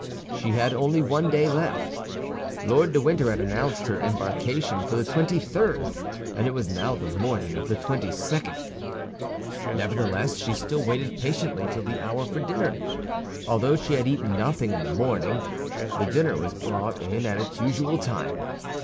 She had only one day left. Lord de Winter had announced her embarkation for the twenty third, and it was now the morning of the twenty second. Nevertheless she still waited patiently till the hour for dinner. Although she had eaten nothing in the morning, the dinner was brought in at its usual time.